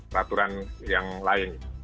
peraturan yang lain